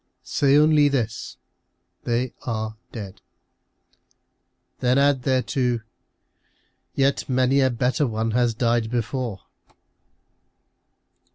Say only this, " They are dead." Then add thereto, " Yet many a better one has died before."